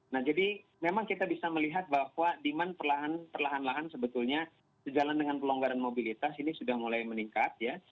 nah jadi memang kita bisa melihat bahwa demand perlahan lahan sebetulnya sejalan dengan pelonggaran mobilitas ini sudah mulai meningkat ya